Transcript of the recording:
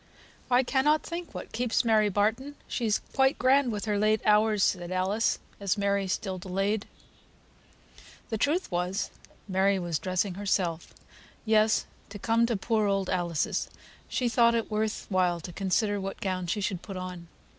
"I cannot think what keeps Mary Barton. She's quite grand with her late hours," said Alice, as Mary still delayed. The truth was, Mary was dressing herself; yes, to come to poor old Alice's she thought it worth while to consider what gown she should put on.